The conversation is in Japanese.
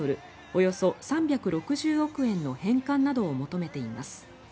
およそ３６０億円の返還などを求めています。